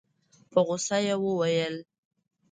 په غوسه يې وويل.